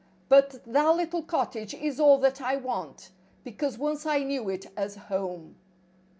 But that little cot¬ tage is all that I want. Because once I knew it as home.